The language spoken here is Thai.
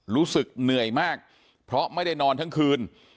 รู้สึกเหนื่อยมากเพราะไม่ได้นอนทั้งคืน